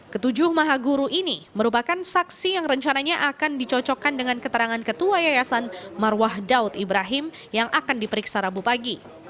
ketujuh maha guru ini merupakan saksi yang rencananya akan dicocokkan dengan keterangan ketua yayasan marwah daud ibrahim yang akan diperiksa rabu pagi